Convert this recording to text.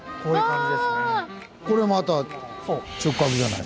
これまた直角じゃない。